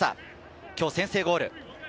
今日、先制ゴール。